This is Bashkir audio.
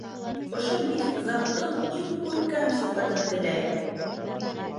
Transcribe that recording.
Ошо мифик заттың иң күркәм сифатын теләйем!